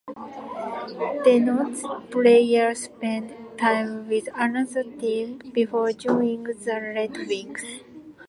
Denotes player spent time with another team before joining the Red Wings.